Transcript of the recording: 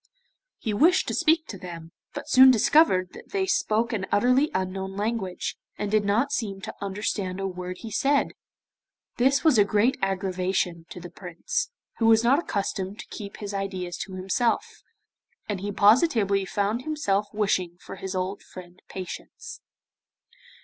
He wished to speak to them, but soon discovered that they spoke an utterly unknown language, and did not seem to understand a word he said. This was a great aggravation to the Prince, who was not accustomed to keep his ideas to himself, and he positively found himself wishing for his old friend Patience.